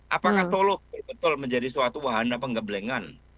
apakah tolok betul menjadi suatu wahana penggeblengan